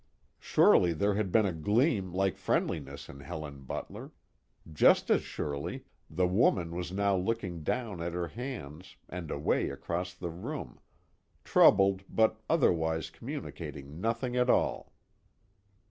_ Surely there had been a gleam like friendliness in Helen Butler; just as surely, the woman was now looking down at her hands, and away across the room, troubled but otherwise communicating nothing at all.